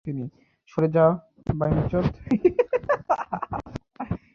সরে যা, বাইঞ্চোদ!